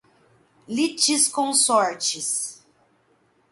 litisconsortes